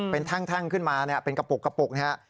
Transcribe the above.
เป็นทั่งขึ้นมาเป็นกระปุกนะครับ